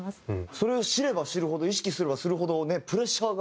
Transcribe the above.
それを知れば知るほど意識すればするほどプレッシャーが。